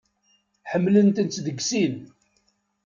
Ḥemmlent-tent deg sin.